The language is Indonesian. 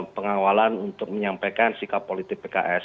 pengawalan untuk menyampaikan sikap politik pks